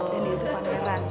dan dia itu pangeran